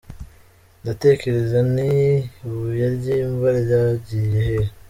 Ndatekereza nti: ’ibuye ry’imva ryagiye hehe?".